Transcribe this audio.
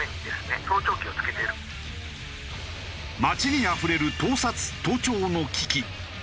街にあふれる盗撮盗聴の危機。